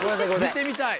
見てみたい。